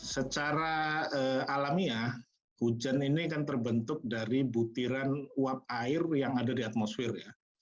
secara alamiah hujan ini kan terbentuk dari butiran uap air yang ada di atmosfer ya